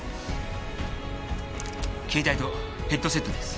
携帯とヘッドセットです。